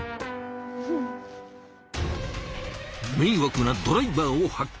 めいわくなドライバーを発見。